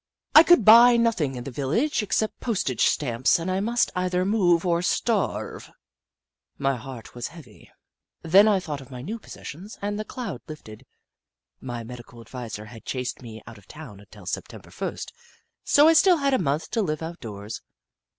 I could buy nothing in the village except postage stamps, and I must either move or starve. My heart was heavy, then I thought of my new possessions and the cloud lifted. My medical adviser had chased me out of town until September first, so I still had a month to live outdoors.